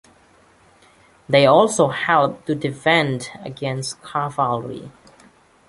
They also helped to defend against cavalry.